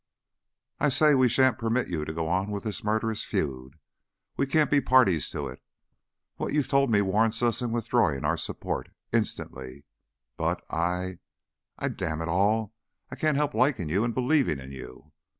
"I say we sha'n't permit you to go on with this murderous feud. We can't be parties to it. What you've told me warrants us in withdrawing our support instantly, but I I Damn it all, I can't help liking you and believing in you!